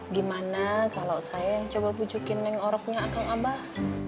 gimana kalau saya coba pujukin neng oroknya kang abah